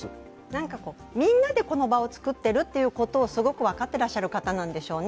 みんなでこの場を作っているということをすごく分かってらっしゃる方なんでしょうね。